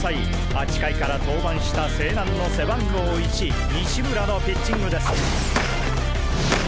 ８回から登板した勢南の背番号１西村のピッチングです。